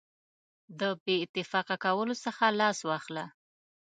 د بې اتفاقه کولو څخه لاس واخله.